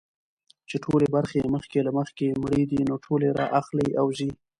چي ټولي برخي مخکي له مخکي مړې دي نو ټولي را اخلي او ځي.